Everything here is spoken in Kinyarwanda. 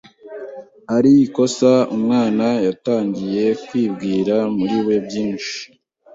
Ari kosa umwana yatangiye kwibwira muri we byinshi